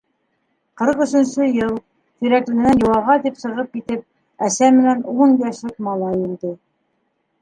Ҡырҡ өсөнсө йыл, Тирәкленән йыуаға тип сығып китеп, әсә менән ун йәшлек малай үлде.